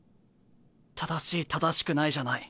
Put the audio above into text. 正しい正しくないじゃない。